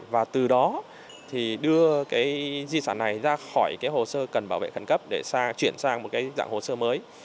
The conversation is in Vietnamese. và từ đó đưa di sản này ra khỏi hồ sơ cần bảo vệ khẩn cấp để chuyển sang một dạng hồ sơ mới